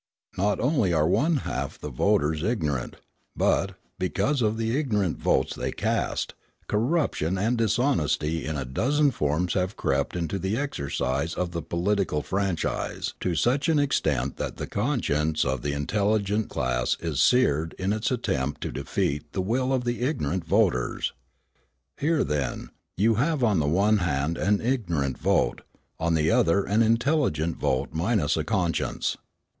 Not only are one half the voters ignorant; but, because of the ignorant votes they cast, corruption and dishonesty in a dozen forms have crept into the exercise of the political franchise to such an extent that the conscience of the intelligent class is seared in its attempts to defeat the will of the ignorant voters. Here, then, you have on the one hand an ignorant vote, on the other an intelligent vote minus a conscience.